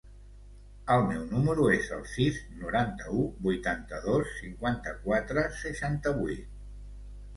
El meu número es el sis, noranta-u, vuitanta-dos, cinquanta-quatre, seixanta-vuit.